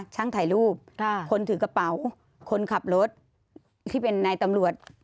ช่างถ่ายรูปคนถือกระเป๋าคนขับรถที่เป็นนายตำรวจ